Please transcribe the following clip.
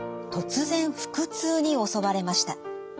突然腹痛に襲われました。